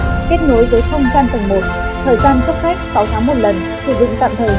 thời gian cấp khách sáu tháng một lần sử dụng tạm thời hệ phố với bốn mươi năm ngàn đồng một m hai hợp tháng